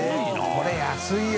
これ安いよ。